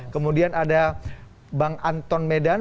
kemudian ada bang anton medan